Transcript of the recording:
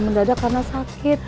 mendadak karena sakit